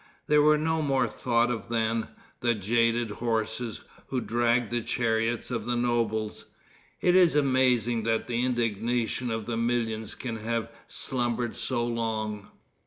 They were no more thought of than the jaded horses who dragged the chariots of the nobles. It is amazing that the indignation of the millions can have slumbered so long.